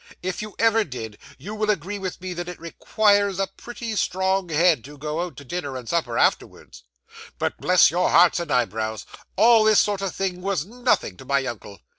If you ever did, you will agree with me that it requires a pretty strong head to go out to dinner and supper afterwards. 'But bless your hearts and eyebrows, all this sort of thing was nothing to my uncle!